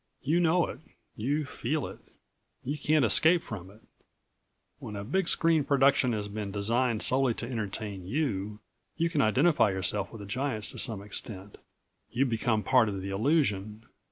You know it, you feel it ... you can't escape from it. When a big screen production has been designed solely to entertain you, you can identify yourself with the giants to some extent. You become a part of the illusion.